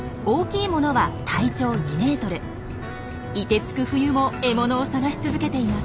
いてつく冬も獲物を探し続けています。